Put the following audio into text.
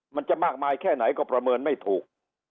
มันจะมากมายแค่ไหนก็ประเมินไม่ถูก